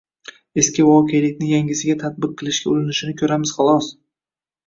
eski voqelikni yangisiga tatbiq qilishga urinishini ko‘ramiz, xolos.